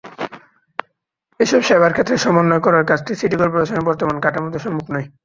এসব সেবার ক্ষেত্রে সমন্বয় করার কাজটি সিটি করপোরেশনের বর্তমান কাঠামোতে সম্ভব নয়।